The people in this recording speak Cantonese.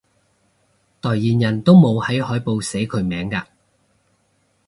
代言人都冇喺海報寫佢名嘅？